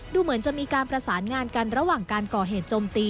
ดูเหมือนจะมีการประสานงานกันระหว่างการก่อเหตุโจมตี